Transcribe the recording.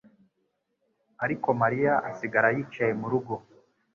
ariko mariya asigara yicaye mu rugo